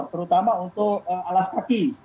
terutama untuk alas kaki